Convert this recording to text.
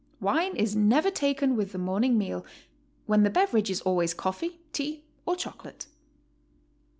Wine is never taken with the morn ing meal, when the beverage is always coffee, tea, or choco late.